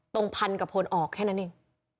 ตรงพันธุ์กับพลออกแค่นั้นเอง